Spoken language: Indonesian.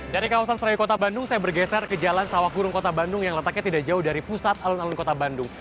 dari kawasan serai kota bandung saya bergeser ke jalan sawah burung kota bandung yang letaknya tidak jauh dari pusat alun alun kota bandung